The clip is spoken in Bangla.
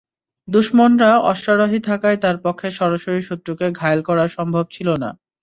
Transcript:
দুশমনরা অশ্বারোহী থাকায় তার পক্ষে সরাসরি শত্রুকে ঘায়েল করা সম্ভব ছিল না।